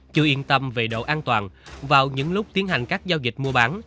chưa yên tâm về độ an toàn vào những lúc tiến hành các giao dịch mua bán